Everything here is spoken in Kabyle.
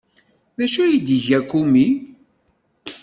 D acu ay d-tga Kumi?